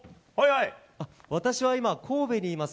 私は今、神戸にいます。